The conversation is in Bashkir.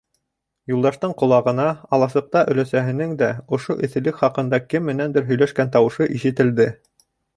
Юлдаштың ҡолағына аласыҡта өләсәһенең дә ошо эҫелек хаҡында кем менәндер һөйләшкән тауышы ишетелде.